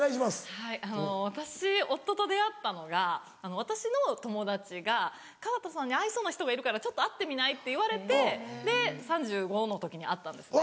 はい私夫と出会ったのが私の友達が「川田さんに合いそうな人がいるからちょっと会ってみない？」って言われて３５歳の時に会ったんですね。